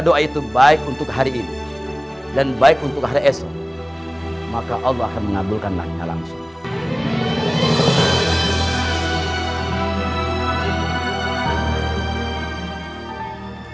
doa itu baik untuk hari ini dan baik untuk hari esok maka allah akan mengabulkan lagi alam surah